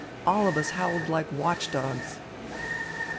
All of us howled like watch dogs."